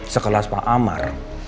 sekelas pak amar